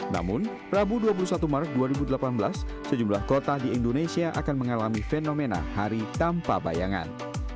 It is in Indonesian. namun rabu dua puluh satu maret dua ribu delapan belas sejumlah kota di indonesia akan mengalami fenomena hari tanpa bayangan